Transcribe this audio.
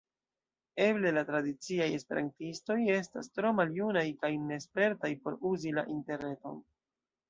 Eble la tradiciaj esperantistoj estas tro maljunaj kaj nespertaj por uzi la interreton.